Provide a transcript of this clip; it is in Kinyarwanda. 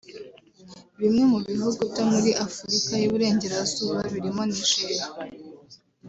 Bimwe mu bihugu byo muri Afurika y’Uburengerazuba birimo Niger